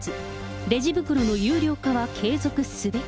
レジ袋の有料化は継続すべき？